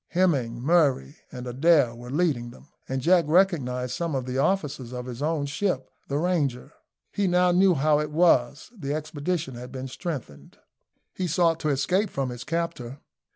Hemming, Murray, and Adair were leading them, and Jack recognised some of the officers of his own ship, the Ranger. He now knew how it was the expedition had been strengthened. He sought to escape from his captor.